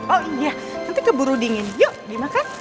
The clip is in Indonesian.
oh iya nanti keburu dingin yuk dimakan